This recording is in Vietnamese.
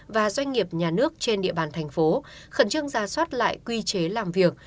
và doanh nghiệp nhà nước trên địa bàn thành phố khẩn trương ra soát lại quy chế làm việc